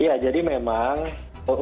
ya jadi memang untuk